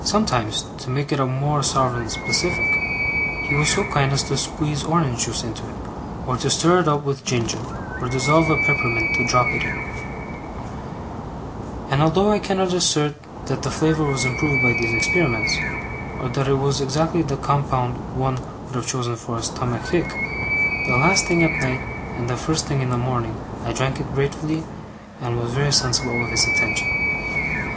Sometimes, to make it a more sovereign specific, he was so kind as to squeeze orange juice into it, or to stir it up with ginger, or dissolve a peppermint drop in it; and although I cannot assert that the flavour was improved by these experiments, or that it was exactly the compound one would have chosen for a stomachic, the last thing at night and the first thing in the morning, I drank it gratefully and was very sensible of his attention.